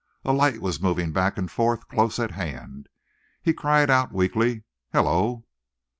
A light was moving back and forth, close at hand. He cried out weakly: "Hullo!"